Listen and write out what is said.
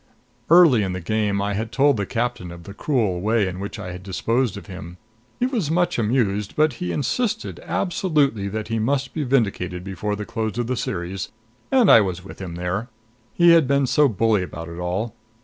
Early in the game I had told the captain of the cruel way in which I had disposed of him. He was much amused; but he insisted, absolutely, that he must be vindicated before the close of the series, and I was with him there. He had been so bully about it all.